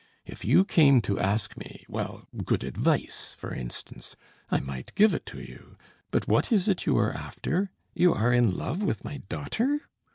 If you came to ask me well, good advice, for instance, I might give it to you; but what is it you are after? You are in love with my daughter?"